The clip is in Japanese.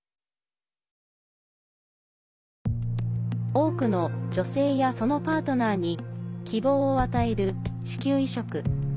多くの女性やそのパートナーに希望を与える子宮移植。